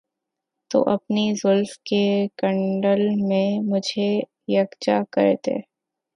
تو اپنی زلف کے کنڈل میں مجھے یکجا کر دے